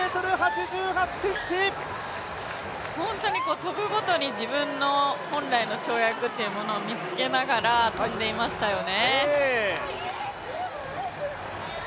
本当に跳ぶごとに自分の本来の跳躍を見つけながら跳んでいましたよね。